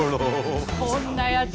こんなやつ